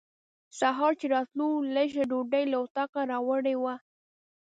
سهار چې راتلو لږه ډوډۍ له اطاقه راوړې وه.